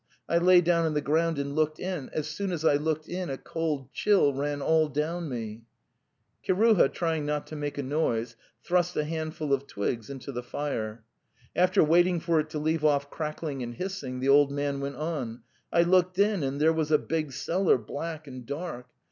... I lay down on the ground and looked in; as soon as I looked in a cold chill ran all down me. ..." Kiruha, trying not to make a noise, thrust a hand ful of twigs into the fire. After waiting for it to leave off crackling and hissing, the old man went on: 'I looked in and there was a big cellar, black and dark.